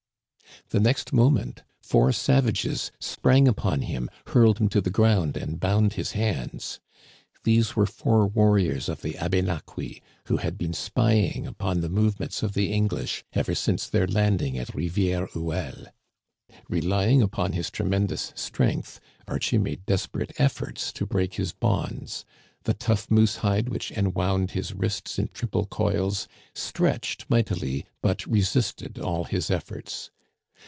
The next mo ment four savages sprang upon him, hurled him to the ground, and bound his hands. These were four war riors of the Abénaquis, who had been spying upon the movements of the English ever since their landing at Rivière Quelle. Relying upon his tremendous strength, Archie made desperate efforts to break his bonds. The tough moose hide which enwound his wrists in triple coils stretched mightily, but resisted all his efforts.